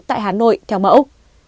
tại hà nội theo mẫu